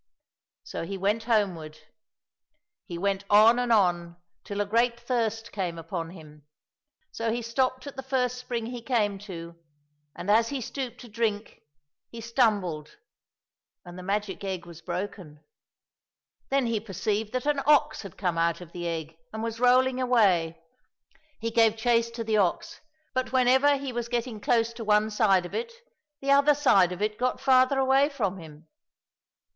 So he went homeward. He went on and on till a great thirst came upon him. So he stopped at the first spring he came to, and as he stooped to drink he stumbled and the magic egg was broken. Then he perceived that an ox had come out of the egg and was rolling away. He gave chase to the ox, but when ever he was getting close to one side of it, the other side of it got farther away from him.